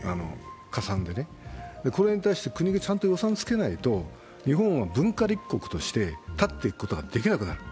これに対して国がちゃんと予算をつけないと、日本は文化立国として立っていくことができなくなる。